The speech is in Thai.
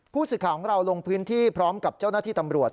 ผู้สื่อข่าวของเราลงพื้นที่พร้อมกับเจ้าหน้าที่ตำรวจ